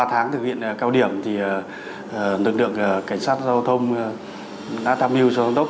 sau ba tháng thực hiện cao điểm lực lượng cảnh sát giao thông đã tham dự cho tổng đốc